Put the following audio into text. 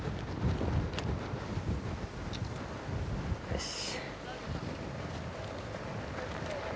よし。